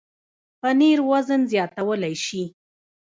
پنېر وزن زیاتولی شي.